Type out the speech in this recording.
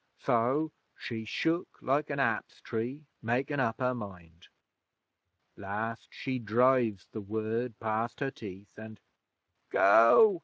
So she shook like a aps tree makin' up her mind. 'Last she drives the word past her teeth, an' "Go!"